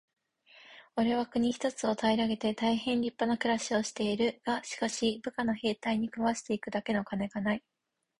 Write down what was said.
「おれは国一つを平げて大へん立派な暮しをしている。がしかし、部下の兵隊に食わして行くだけの金がない。」